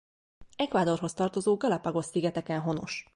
Ecuadorhoz tartozó Galápagos-szigeteken honos.